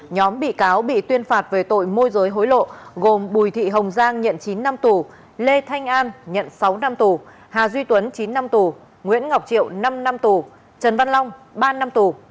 nhóm bị cáo bị tuyên phạt về tội môi giới hối lộ gồm bùi thị hồng giang nhận chín năm tù lê thanh an nhận sáu năm tù hà duy tuấn chín năm tù nguyễn ngọc triệu năm năm tù trần văn long ba năm tù